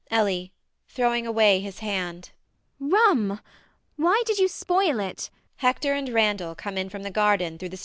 ELLIE [throwing away his hand]. Rum! Why did you spoil it? Hector and Randall come in from the garden through the starboard door.